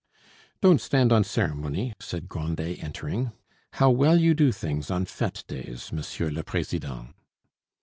"Don't stand on ceremony," said Grandet, entering. "How well you do things on fete days, Monsieur le president!"